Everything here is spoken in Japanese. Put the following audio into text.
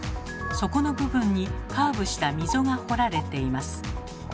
底の部分にカーブした溝がほられています。